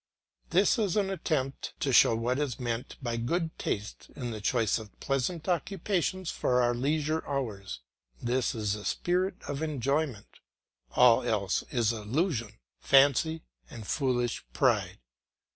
This is an attempt to show what is meant by good taste in the choice of pleasant occupations for our leisure hours; this is the spirit of enjoyment; all else is illusion, fancy, and foolish pride.